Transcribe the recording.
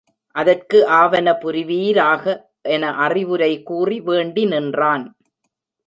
அதற்கு ஆவன புரிவீராக! என அறவுரை கூறி வேண்டி நின்றான்.